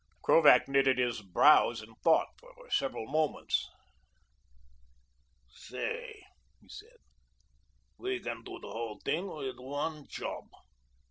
Krovac knitted his brows in thought for several moments. "Say," he said, "we can do the whole thing with one job."